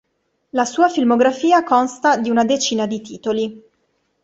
La sua filmografia consta di una decina di titoli.